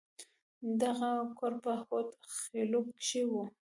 دغه کور په هود خيلو کښې و.